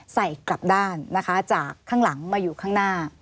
กลับด้านนะคะจากข้างหลังมาอยู่ข้างหน้า